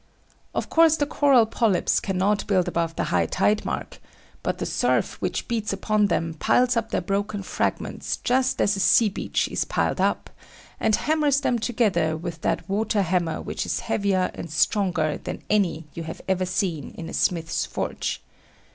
Of course the coral polypes cannot build above the high tide mark; but the surf which beats upon them piles up their broken fragments just as a sea beach is piled up, and hammers them together with that water hammer which is heavier and stronger than any you have ever seen in a smith's forge.